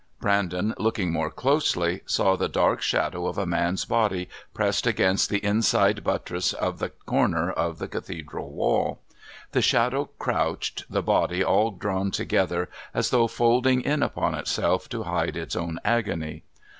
Brandon, looking more closely, saw the dark shadow of a man's body pressed against the inside buttress of the corner of the Cathedral wall. The shadow crouched, the body all drawn together as though folding in upon itself to hide its own agony.